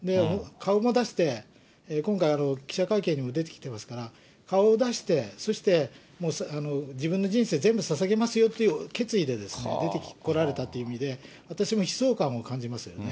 顔も出して、今回、記者会見にも出てきてますから、顔を出して、そして自分の人生全部ささげますよという決意でですね、出てこられたという意味で、私も悲壮感を感じますよね。